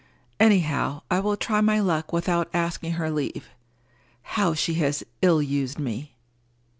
Anyhow I will try my luck without asking her leave. How she has ill used me!"